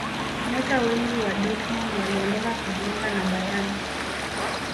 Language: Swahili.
nyota wengi wa dortmund waliondoka kujiunga na bayern